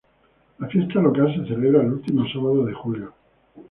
La fiesta local se celebra el último sábado de julio.